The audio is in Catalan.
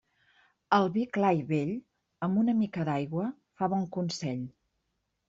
El vi clar i vell i amb una mica d'aigua fa bon consell.